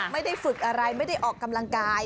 ไม่ได้ฝึกอะไรไม่ได้ออกกำลังกาย